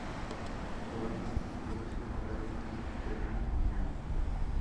Todos los partidos se jugaron en Teherán, Irán.